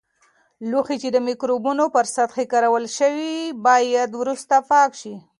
لوښي چې د مکروبونو پر سطحې کارول شوي وي، باید وروسته پاک شي.